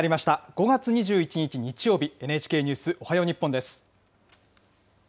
５月２１日日曜日、ＮＨＫニュースおはよう日本です。